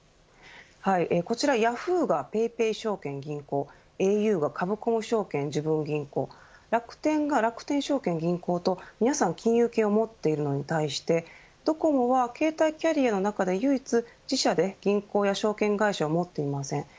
こちらヤフーがＰａｙＰａｙ証券、銀行ａｕがカブコム証券、じぶん銀行楽天が楽天証券、銀行と皆さん、金融系を持っているのに対して、ドコモは携帯キャリアの中で唯一自社で銀行や証券会社を持っていません。